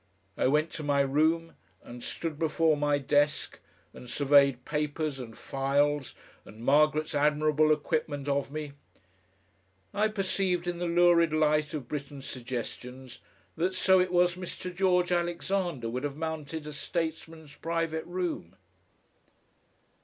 I went to my room and stood before my desk and surveyed papers and files and Margaret's admirable equipment of me. I perceived in the lurid light of Britten's suggestions that so it was Mr. George Alexander would have mounted a statesman's private room....